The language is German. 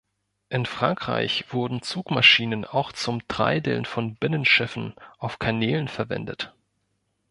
In Frankreich wurden Zugmaschinen auch zum Treideln von Binnenschiffen auf Kanälen verwendet.